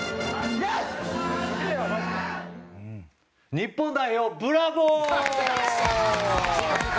日本代表、ブラボー！